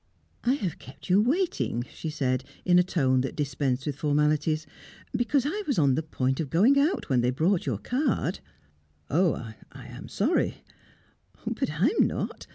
"I have kept you waiting," she said, in a tone that dispensed with formalities, "because I was on the point of going out when they brought your card " "Oh, I am sorry " "But I am not.